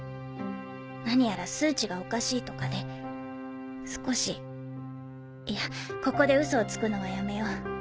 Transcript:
何やら数値がおかしいとかで少しいやここでウソをつくのはやめよう。